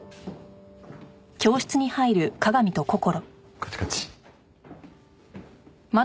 こっちこっち。